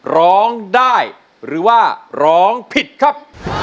ร้องได้หรือว่าร้องผิดครับ